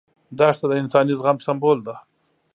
دښته د انساني زغم سمبول ده.